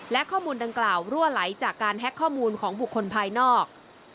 และข้อมูลดังกล่าวรั่วไหลจากการแฮ็กข้อมูลของบุคคลภายนอก